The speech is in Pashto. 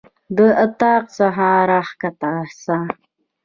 د اطاق څخه راکښته سه.